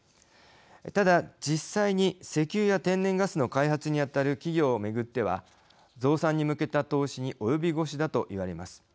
ただ、実際に石油や天然ガスの開発に当たる企業を巡っては増産に向けた投資に及び腰だといわれます。